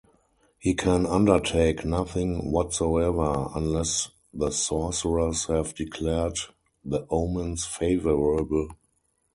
He can undertake nothing whatsoever unless the sorcerers have declared the omens favorable.